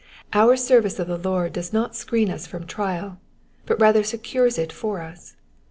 Our service of the Lord does not screen us from trial, but rather secures it for us.